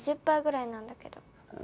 パーぐらいなんだけど。